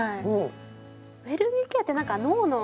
ウェルニッケ野って何か脳の。